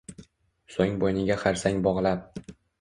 So’ng bo’yniga xarsang bog’lab